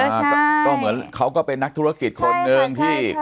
ก็เหมือนเป็นคนประเทศทุรกิจคนหนึ่งที่